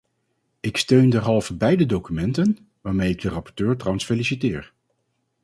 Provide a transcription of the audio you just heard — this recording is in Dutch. Ik steun derhalve beide documenten, waarmee ik de rapporteur trouwens feliciteer.